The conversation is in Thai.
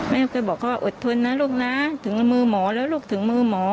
แม่เคยบอกเขาว่าอดทนนะลูกนะถึงมือหมอแล้วลูกถึงมือหมอ